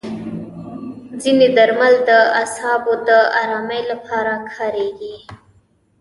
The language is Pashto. ځینې درمل د اعصابو د ارامۍ لپاره کارېږي.